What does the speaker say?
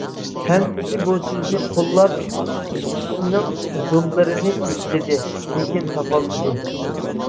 ھەممىسى بۇ سۆزنى قوللاپ، چىقىشنىڭ يوللىرىنى ئىزدىدى، لېكىن تاپالمىدى.